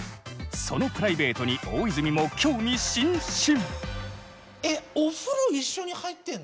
そのプライベートに大泉も興味津々。